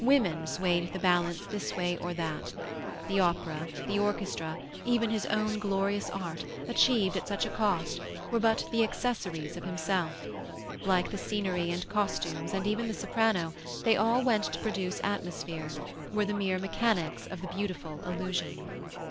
Women swayed the balance this way or that; the opera, the orchestra, even his own glorious art, achieved at such a cost, were but the accessories of himself; like the scenery and costumes and even the soprano, they all went to produce atmosphere, were the mere mechanics of the beautiful illusion.